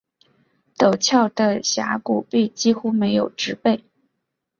陡峭的峡谷壁几乎没有植被。